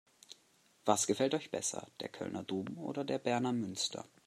Was gefällt euch besser: Der Kölner Dom oder der Berner Münster?